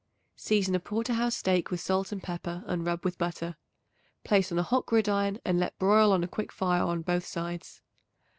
Season a porter house steak with salt and pepper and rub with butter. Place on a hot gridiron and let broil on a quick fire on both sides.